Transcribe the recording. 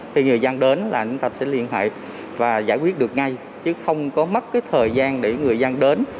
thì người dân đến là chúng ta sẽ liên hệ và giải quyết được ngay chứ không có mất thời gian để người dân đến